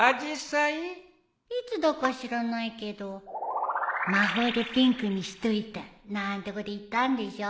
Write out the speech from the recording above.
いつだか知らないけど「魔法でピンクにしといた」なんてこと言ったんでしょ。